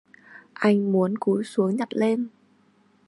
Anh muốn cúi xuống nhặt lên